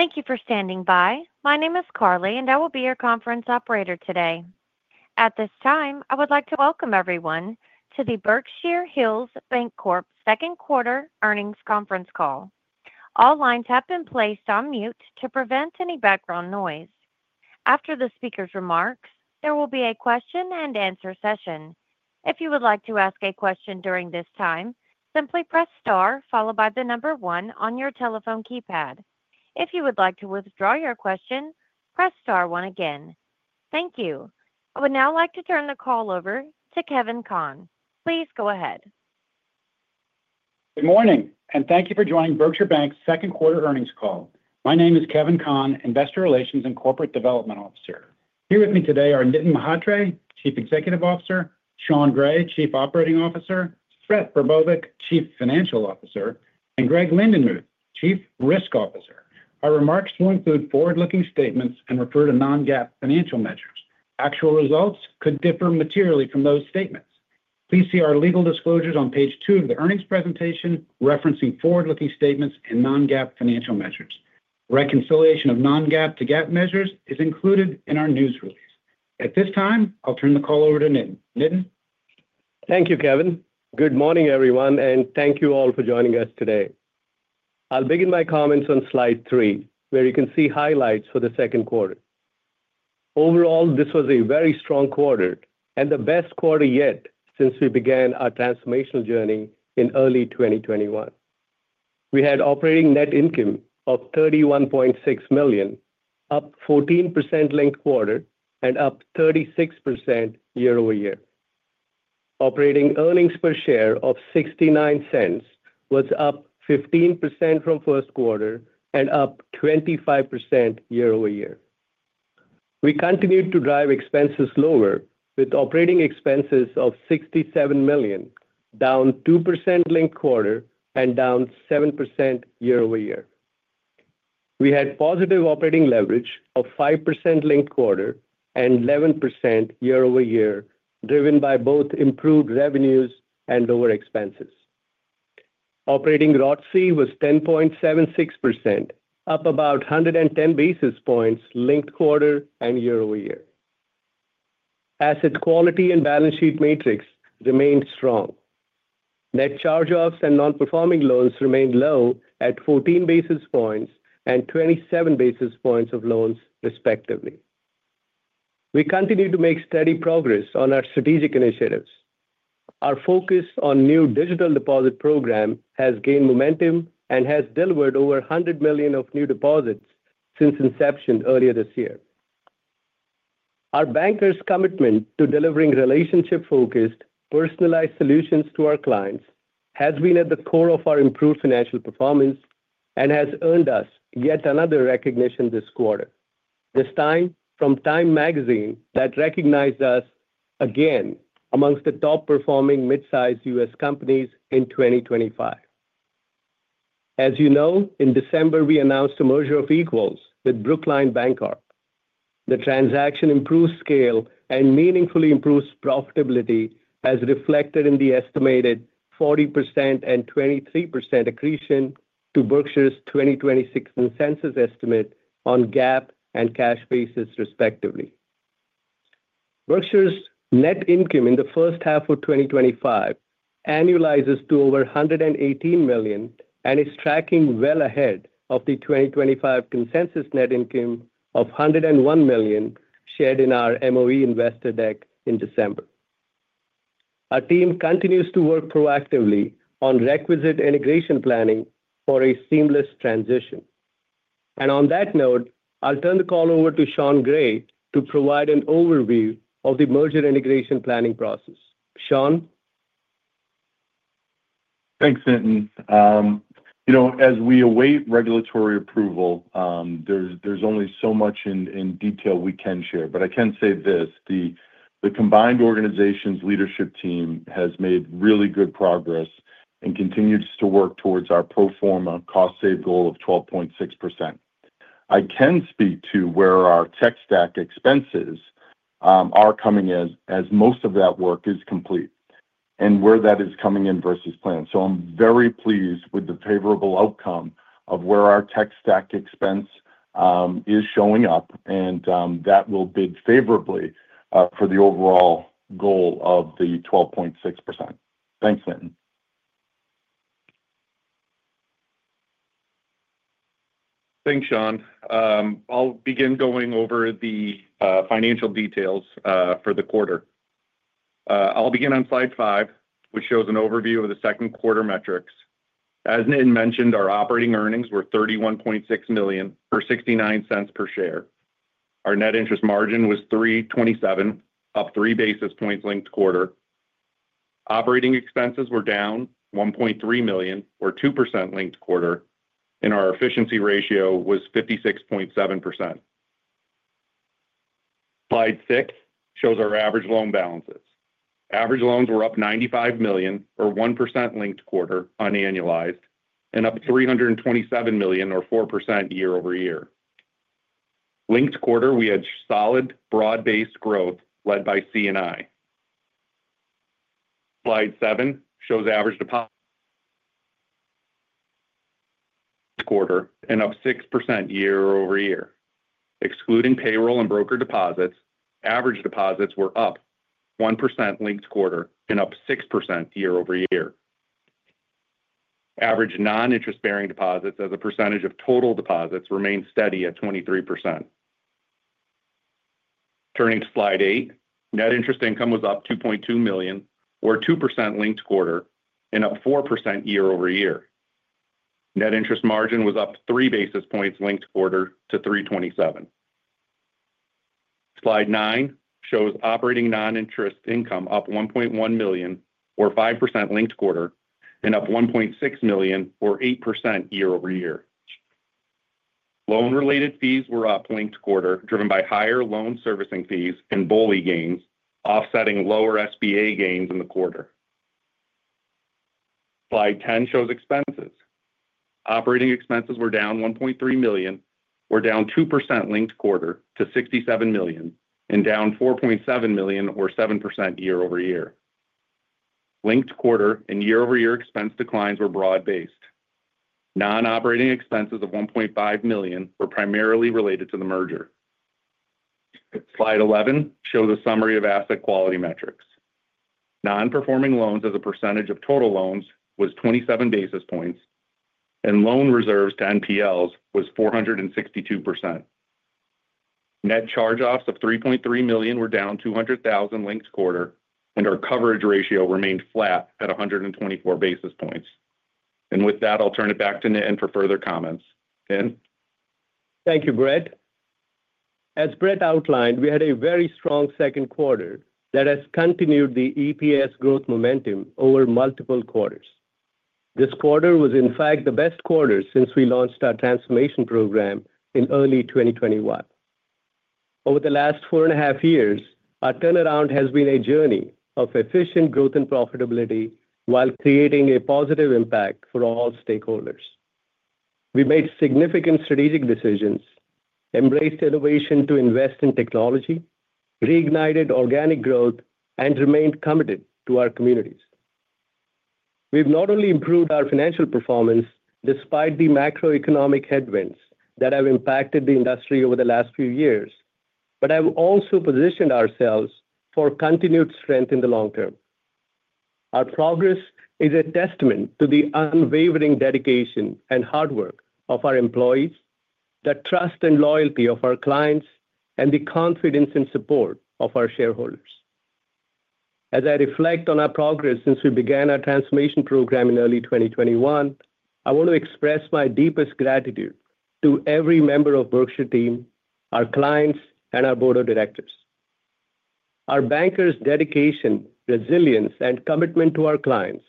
Thank you for standing by. My name is Carly, and I will be your conference operator today. At this time, I would like to welcome everyone to the Berkshire Hills Bancorp second quarter earnings conference call. All lines have been placed on mute to prevent any background noise. After the speaker's remarks, there will be a question and answer session. If you would like to ask a question during this time, simply press star followed by the number one on your telephone keypad. If you would like to withdraw your question, press star one again. Thank you. I would now like to turn the call over to Kevin Conn. Please go ahead. Good morning, and thank you for joining Berkshire Bank's second quarter earnings call. My name is Kevin Conn, Investor Relations and Corporate Development Officer. Here with me today are Nitin Mhatre, Chief Executive Officer, Sean Gray, Chief Operating Officer, Brett Brbovic, Chief Financial Officer, and Greg Lindenmuth, Chief Risk Officer. Our remarks will include forward-looking statements and refer to non-GAAP financial measures. Actual results could differ materially from those statements. Please see our legal disclosures on page two of the earnings presentation referencing forward-looking statements and non-GAAP financial measures. Reconciliation of non-GAAP to GAAP measures is included in our news release. At this time, I'll turn the call over to Nitin. Nitin? Thank you, Kevin. Good morning, everyone, and thank you all for joining us today. I'll begin my comments on slide three, where you can see highlights for the second quarter. Overall, this was a very strong quarter and the best quarter yet since we began our transformational journey in early 2021. We had operating net income of $31.6 million, up 14% linked quarter and up 36% year-over-year. Operating earnings per share of $0.69 was up 15% from first quarter and up 25% year-over-year. We continued to drive expenses lower with operating expenses of $67 million, down 2% linked quarter and down 7% year-over-year. We had positive operating leverage of 5% linked quarter and 11% year-over-year, driven by both improved revenues and lower expenses. Operating ROTCE was 10.76%, up about 110 basis points linked quarter and year-over-year. Asset quality and balance sheet metrics remained strong. Net charge-offs and non-performing loans remained low at 14 basis points and 27 basis points of loans, respectively. We continue to make steady progress on our strategic initiatives. Our focus on the new digital deposit initiative has gained momentum and has delivered over $100 million of new deposits since inception earlier this year. Our bankers' commitment to delivering relationship-focused, personalized solutions to our clients has been at the core of our improved financial performance and has earned us yet another recognition this quarter. This time, from TIME Magazine, that recognized us again amongst the top-performing mid-sized U.S. companies in 2025. As you know, in December, we announced a merger of equals with Brookline Bancorp. The transaction improved scale and meaningfully improved profitability, as reflected in the estimated 40% and 23% accretion to Berkshire's 2026 consensus estimate on GAAP and cash basis, respectively. Berkshire's net income in the first half of 2025 annualizes to over $118 million and is tracking well ahead of the 2025 consensus net income of $101 million shared in our MOE Investor Deck in December. Our team continues to work proactively on requisite integration planning for a seamless transition. On that note, I'll turn the call over to Sean Gray to provide an overview of the merger integration planning process. Sean? Thanks, Nitin. As we await regulatory approval, there's only so much in detail we can share. I can say this: the combined organization's leadership team has made really good progress and continues to work towards our pro forma cost-save goal of 12.6%. I can speak to where our tech stack expenses are coming in as most of that work is complete and where that is coming in versus planned. I'm very pleased with the favorable outcome of where our tech stack expense is showing up, and that will bid favorably for the overall goal of the 12.6%. Thanks, Nitin. Thanks, Sean. I'll begin going over the financial details for the quarter. I'll begin on slide five, which shows an overview of the second quarter metrics. As Nitin mentioned, our operating earnings were $31.6 million or $0.69 per share. Our net interest margin was 3.27%, up three basis points linked quarter. Operating expenses were down $1.3 million or 2% linked quarter, and our efficiency ratio was 56.7%. Slide six shows our average loan balances. Average loans were up $95 million or 1% linked quarter unannualized and up $327 million or 4% year-over-year. Linked quarter, we had solid broad-based growth led by C&I. Slide seven shows average deposits for the quarter and up 6% year-over-year. Excluding payroll and broker deposits, average deposits were up 1% linked quarter and up 6% year-over-year. Average non-interest-bearing deposits as a percentage of total deposits remained steady at 23%. Turning to slide eight, net interest income was up $2.2 million or 2% linked quarter and up 4% year-over-year. Net interest margin was up three basis points linked quarter to 3.27%. Slide nine shows operating non-interest income up $1.1 million or 5% linked quarter and up $1.6 million or 8% year-over-year. Loan-related fees were up linked quarter, driven by higher loan servicing fees and BOLI gains offsetting lower SBA gains in the quarter. Slide ten shows expenses. Operating expenses were down $1.3 million or down 2% linked quarter to $67 million and down $4.7 million or 7% year-over-year. Linked quarter and year-over-year expense declines were broad-based. Non-operating expenses of $1.5 million were primarily related to the merger. Slide 11 shows a summary of asset quality metrics. Non-performing loans as a percentage of total loans was 27 basis points and loan reserves to NPLs was 462%. Net charge-offs of $3.3 million were down $200,000 linked quarter and our coverage ratio remained flat at 124 basis points. With that, I'll turn it back to Nitin for further comments. Nitin? Thank you, Brett. As Brett outlined, we had a very strong second quarter that has continued the EPS growth momentum over multiple quarters. This quarter was, in fact, the best quarter since we launched our transformation program in early 2021. Over the last four and a half years, our turnaround has been a journey of efficient growth and profitability while creating a positive impact for all stakeholders. We made significant strategic decisions, embraced innovation to invest in technology, reignited organic growth, and remained committed to our communities. We've not only improved our financial performance despite the macroeconomic headwinds that have impacted the industry over the last few years, but have also positioned ourselves for continued strength in the long term. Our progress is a testament to the unwavering dedication and hard work of our employees, the trust and loyalty of our clients, and the confidence and support of our shareholders. As I reflect on our progress since we began our transformation program in early 2021, I want to express my deepest gratitude to every member of the Berkshire team, our clients, and our board of directors. Our bankers' dedication, resilience, and commitment to our clients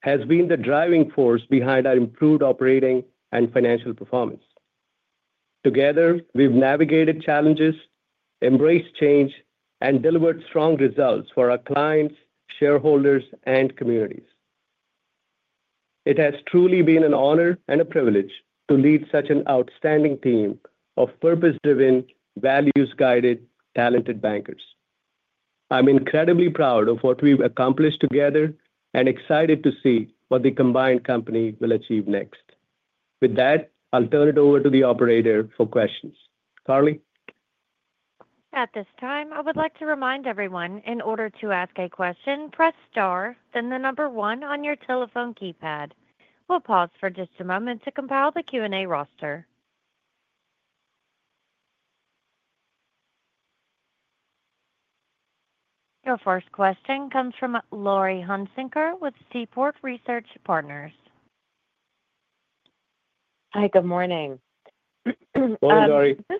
has been the driving force behind our improved operating and financial performance. Together, we've navigated challenges, embraced change, and delivered strong results for our clients, shareholders, and communities. It has truly been an honor and a privilege to lead such an outstanding team of purpose-driven, values-guided, talented bankers. I'm incredibly proud of what we've accomplished together and excited to see what the combined company will achieve next. With that, I'll turn it over to the operator for questions. Carly? At this time, I would like to remind everyone, in order to ask a question, press star, then the number one on your telephone keypad. We'll pause for just a moment to compile the Q&A roster. Your first question comes from Laurie Hunsicker with Seaport Research Partners. Hi, good morning. Good morning, Laurie. I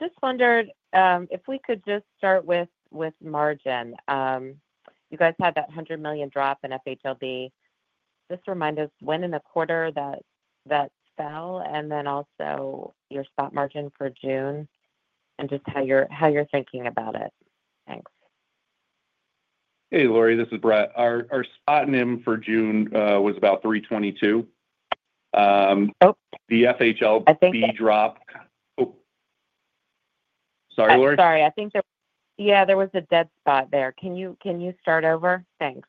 just wondered if we could just start with margin. You guys had that $100 million drop in FHLB. Just remind us when in the quarter that that fell, and then also your spot margin for June and just how you're thinking about it. Thanks. Hey, Laurie. This is Brett. Our spot and m for June was about $322. The FHLB drop. I think. Sorry, Laurie. Sorry. I think there was a dead spot there. Can you start over? Thanks.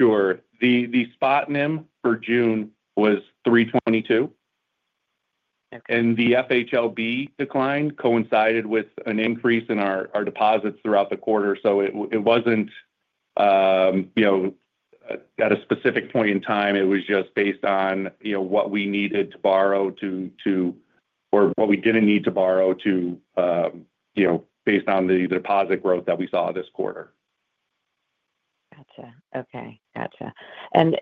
Sure. The spot and m for June was $322. Okay. The FHLB decline coincided with an increase in our deposits throughout the quarter. It wasn't at a specific point in time. It was just based on what we needed to borrow or what we didn't need to borrow, based on the deposit growth that we saw this quarter. Gotcha. Okay.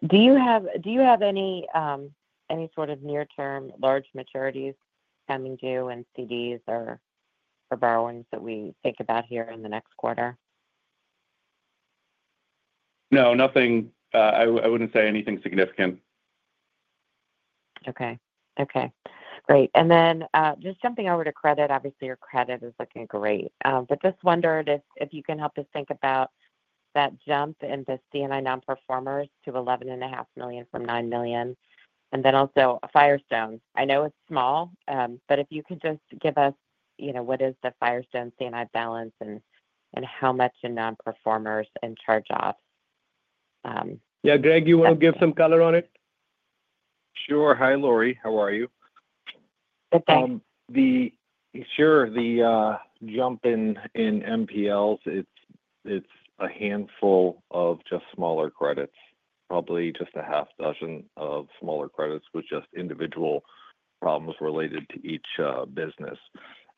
Do you have any sort of near-term large maturities coming due in CDs or for borrowings that we think about here in the next quarter? No, nothing. I wouldn't say anything significant. Okay. Great. Just jumping over to credit, obviously, your credit is looking great. I just wondered if you can help us think about that jump in the C&I non-performers to $11.5 million from $9 million. Also, Firestone. I know it's small, but if you could just give us, you know, what is the Firestone C&I balance and how much in non-performers and charge-offs? Yeah. Greg, you want to give some color on it? Sure. Hi, Laurie. How are you? Good, thanks. Sure. The jump in NPLs, it's a handful of just smaller credits, probably just a half dozen of smaller credits with just individual problems related to each business.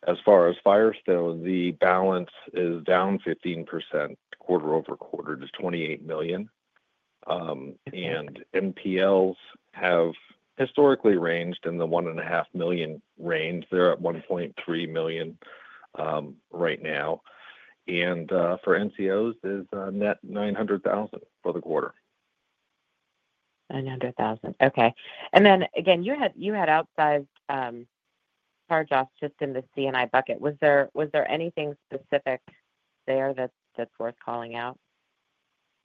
As far as Firestone, the balance is down 15% quarter over quarter to $28 million. NPLs have historically ranged in the $1.5 million range. They're at $1.3 million right now. For NCOs, it's net $900,000 for the quarter. $900,000. Okay. You had outsized charge-offs just in the C&I bucket. Was there anything specific there that's worth calling out?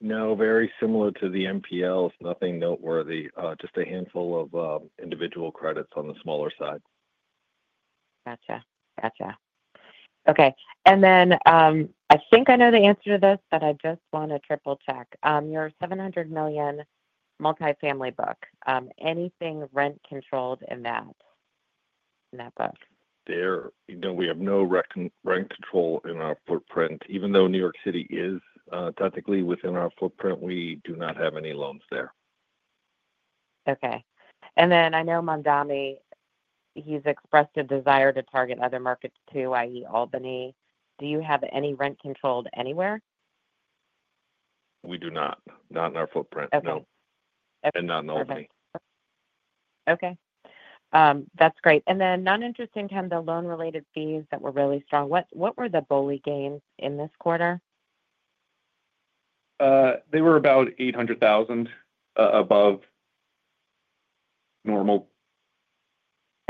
No. Very similar to the NPLs, nothing noteworthy, just a handful of individual credits on the smaller side. Gotcha. Okay. I think I know the answer to this, but I just want to triple-check. Your $700 million multifamily book, anything rent-controlled in that book? There, you know, we have no rent control in our footprint. Even though New York City is technically within our footprint, we do not have any loans there. Okay. I know Mondami, he's expressed a desire to target other markets too, i.e. Albany. Do you have any rent-controlled anywhere? We do not. Not in our footprint, no. Okay. Not in Albany. Okay. That's great. Non-interest income, the loan-related fees that were really strong. What were the BOLI gains in this quarter? They were about $800,000 above normal.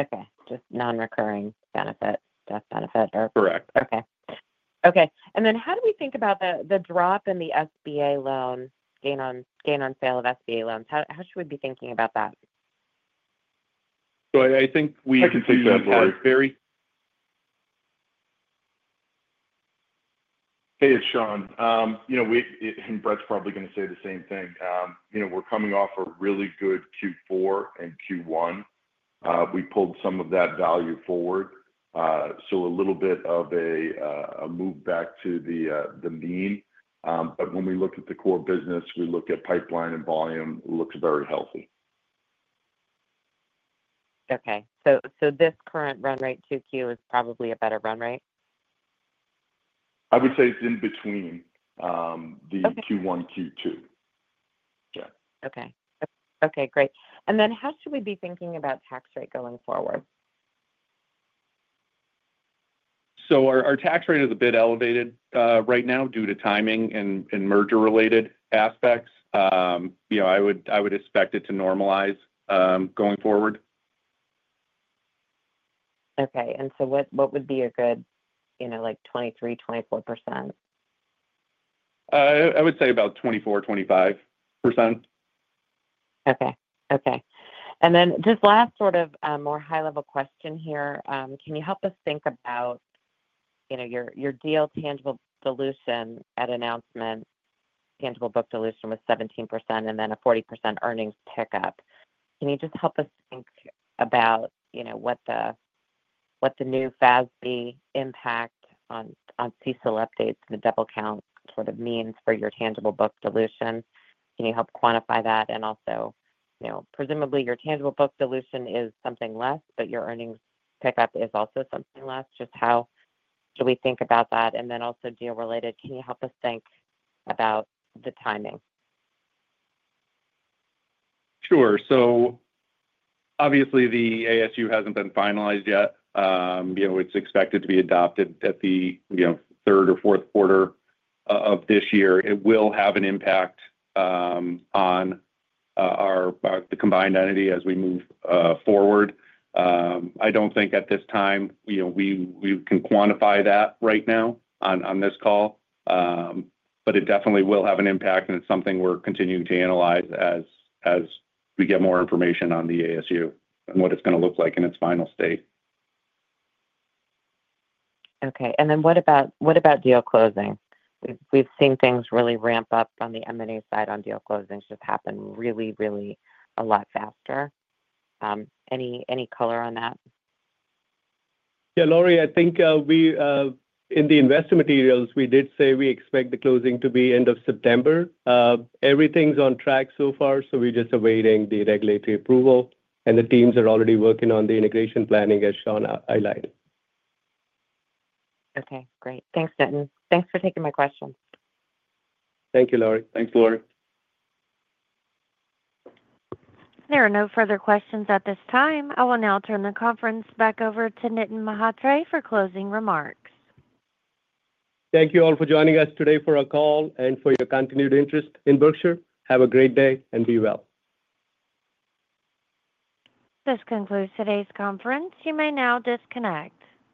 Okay. Just non-recurring benefit, death benefit, or? Correct. Okay. How do we think about the drop in the gain on sale of SBA loans? How should we be thinking about that? I think we can take that, Laurie. Hey, it's Sean. We've, and Brett's probably going to say the same thing. We're coming off a really good Q4 and Q1. We pulled some of that value forward, so a little bit of a move back to the mean. When we look at the core business, we look at pipeline and volume, looks very healthy. Okay. This current run rate Q2 is probably a better run rate? I would say it's in between the Q1 and Q2. Yeah. Okay. Great. How should we be thinking about tax rate going forward? Our tax rate is a bit elevated right now due to timing and merger-related aspects. I would expect it to normalize going forward. What would be a good, you know, like 23, 24%? I would say about 24%, 25%. Okay. Can you help us think about your deal tangible dilution at announcement, tangible book dilution with 17% and then a 40% earnings pickup? Can you just help us think about what the new FASB impact on CECL updates and the double count sort of means for your tangible book dilution? Can you help quantify that? Also, presumably, your tangible book dilution is something less, but your earnings pickup is also something less. How do we think about that? Also deal-related, can you help us think about the timing? Sure. Obviously, the ASU hasn't been finalized yet. It's expected to be adopted at the third or fourth quarter of this year. It will have an impact on our combined entity as we move forward. I don't think at this time we can quantify that right now on this call. It definitely will have an impact, and it's something we're continuing to analyze as we get more information on the ASU and what it's going to look like in its final state. Okay. What about deal closing? We've seen things really ramp up on the M&A side on deal closings. It's just happened really, really a lot faster. Any color on that? Yeah, Laurie, I think we, in the investor materials, we did say we expect the closing to be end of September. Everything's on track so far. We're just awaiting the regulatory approval, and the teams are already working on the integration planning as Sean highlighted. Okay. Great. Thanks, Nitin. Thanks for taking my question. Thank you, Laurie. Thanks, Laurie. There are no further questions at this time. I will now turn the conference back over to Nitin Mhatre for closing remarks. Thank you all for joining us today for our call and for your continued interest in Berkshire Hills Bancorp. Have a great day and be well. This concludes today's conference. You may now disconnect.